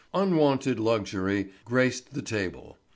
Unwonted luxury graced the table.